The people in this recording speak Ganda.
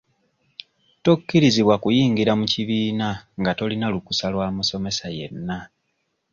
Tokkirizibwa kuyingira mu kibiina nga tolina lukusa lwa musomesa yenna.